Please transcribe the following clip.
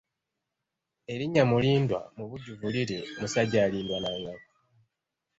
Erinnya Mulindwa mubujjuvu liri Musajja alindwa na ngabo.